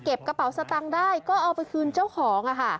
กระเป๋าสตังค์ได้ก็เอาไปคืนเจ้าของ